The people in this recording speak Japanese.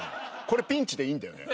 「これピンチでいいんだよね？